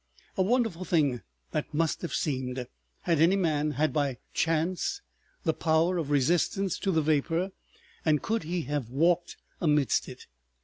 A wonderful thing that must have seemed, had any man had by chance the power of resistance to the vapor, and could he have walked amidst it.